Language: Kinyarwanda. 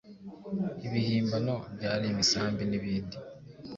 ibihimbano.byari imisambi nibindi